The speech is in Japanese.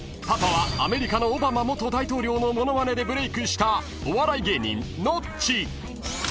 ［パパはアメリカのオバマ元大統領の物まねでブレークしたお笑い芸人ノッチ］